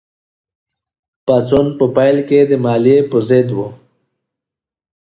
پاڅون په پیل کې د مالیې په ضد و.